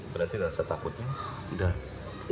berarti rasa takutnya udah